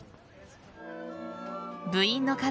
部員の数